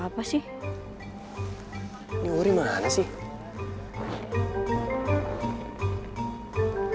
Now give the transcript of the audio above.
terserah sang siapa